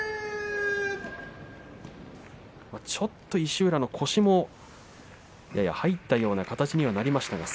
ちょっと石浦の腰も入ったような形にはなりました。